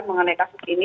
mengenai kasus ini